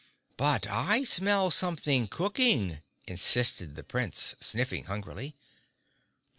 "But I smell something cooking," insisted the Prince, sniffing hungrily.